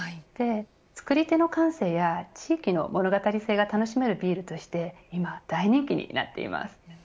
作り手の感性や地域の物語性が楽しめるビールとして今、大人気になっています。